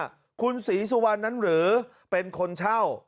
มีคุณศรีสุวรรณเหรอเป็นคนเช่า